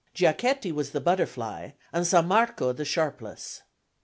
Giachetti was the Butterfly and Sammarco the Sharpless.